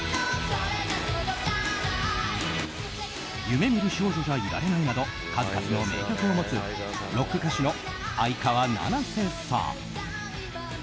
「夢見る少女じゃいられない」など、数々の名曲を持つロック歌手の相川七瀬さん。